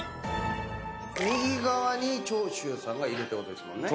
右側に長州さんがいるってことですもんね。